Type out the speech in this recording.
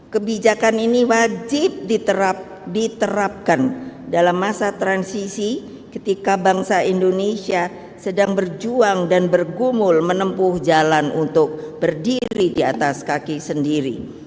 kebijakan ini wajib diterapkan dalam masa transisi ketika bangsa indonesia sedang berjuang dan bergumul menempuh jalan untuk berdiri di atas kaki sendiri